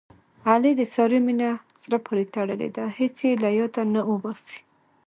علي د سارې مینه زړه پورې تړلې ده. هېڅ یې له یاده نه اوباسي.